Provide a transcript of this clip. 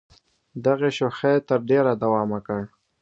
دغې شوخۍ تر ډېره دوام وکړ.